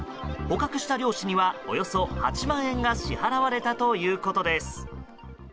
捕獲した漁師にはおよそ８万円が支払われたということです。